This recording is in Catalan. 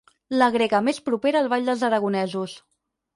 La grega més propera al ball dels aragonesos.